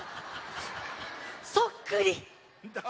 そっくり！